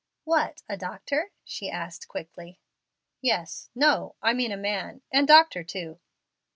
"What? A doctor?" she asked, quickly. "Yes no; I mean a man, and doctor too."